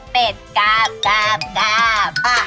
เป็ดลังกาบกากกาบ